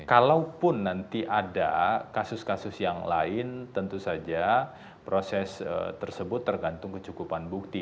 kalaupun nanti ada kasus kasus yang lain tentu saja proses tersebut tergantung kecukupan bukti